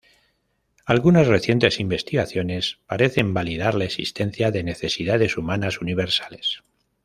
Algunas recientes investigaciones parecen validar la existencia de necesidades humanas universales.